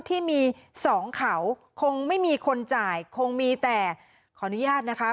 ที่มีสองเขาคงไม่มีคนจ่ายคงมีแต่ขออนุญาตนะคะ